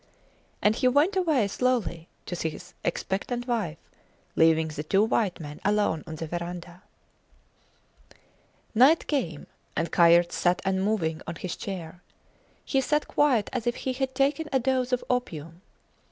And he went away slowly to his expectant wife, leaving the two white men alone on the verandah. Night came, and Kayerts sat unmoving on his chair. He sat quiet as if he had taken a dose of opium.